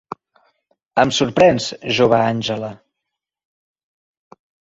Em sorprens, jove Àngela.